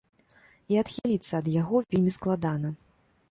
І адхіліцца ад яго вельмі складана.